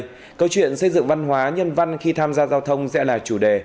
trong thời gian gần đây câu chuyện xây dựng văn hóa nhân văn khi tham gia giao thông sẽ là chủ đề